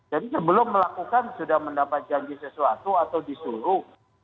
jadi sebelum melakukan sudah mendapatkan janji sesuatu atau disuruh